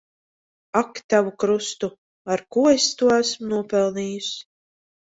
Ak tu tavu krustu! Ar ko es to esmu nopelnījusi.